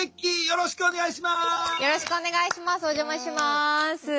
よろしくお願いします。